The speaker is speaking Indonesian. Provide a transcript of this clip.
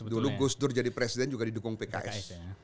dulu gus dur jadi presiden juga didukung pks